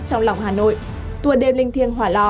trong lòng hà nội tuần đêm linh thiêng hỏa lò